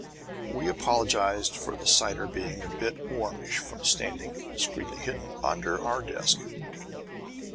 We apologized for the cider being a little warmish from standing (discreetly hidden) under our desk.